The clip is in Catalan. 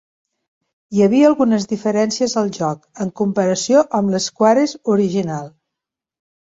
Hi havia algunes diferències al joc, en comparació amb l'Squares original.